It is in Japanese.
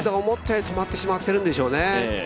思ったより止まってしまってるんでしょうね